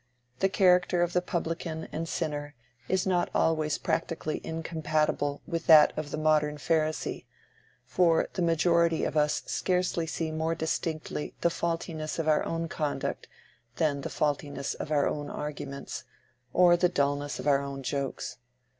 The character of the publican and sinner is not always practically incompatible with that of the modern Pharisee, for the majority of us scarcely see more distinctly the faultiness of our own conduct than the faultiness of our own arguments, or the dulness of our own jokes.